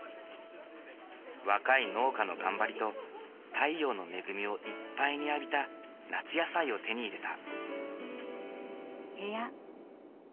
若い農家の頑張りと太陽の恵みをいっぱいに浴びた夏野菜を手に入れた。